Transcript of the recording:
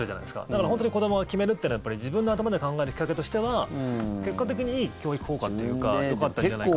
だから本当に子どもが決めるというのは自分の頭で考えるきっかけとしては結果的に、いい教育効果というかよかったんじゃないかという。